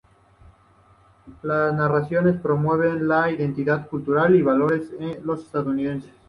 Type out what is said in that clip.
Sus narraciones promueven la identidad cultural y valores en los estudiantes.